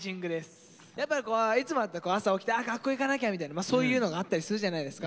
やっぱりいつもだったら朝起きて「あ学校行かなきゃ」みたいなそういうのがあったりするじゃないですか。